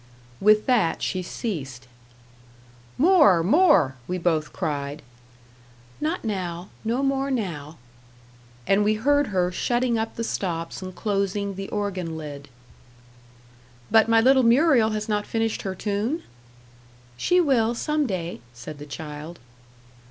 With that she ceased. "More, more!" we both cried. "Not now no more now." And we heard her shutting up the stops and closing the organ lid. "But my little Muriel has not finished her tune?" "She will, some day," said the child.